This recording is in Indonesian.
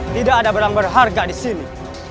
tidak ada barang berharga di sini